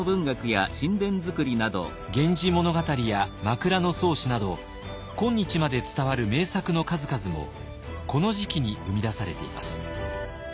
「源氏物語」や「枕草子」など今日まで伝わる名作の数々もこの時期に生み出されています。